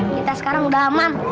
kita sekarang udah aman